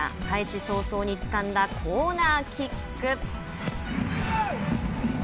開始早々につかんだコーナーキック。